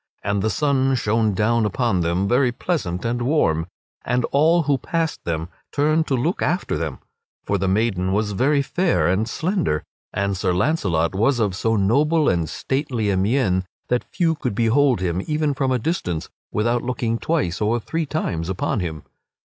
And the sun shone down upon them, very pleasant and warm, and all who passed them turned to look after them; for the maiden was very fair and slender, and Sir Launcelot was of so noble and stately a mien that few could behold him even from a distance without looking twice or three times upon him.